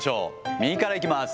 右からいきます。